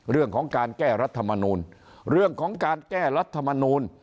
เรื่องของการแก้รัฐมนูล